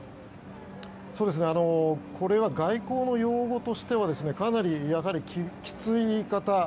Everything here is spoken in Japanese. これは外交の用語としてはかなり嫌がるきつい言い方。